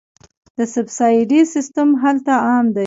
د سبسایډي سیستم هلته عام دی.